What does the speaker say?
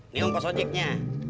nih umpah sojeknya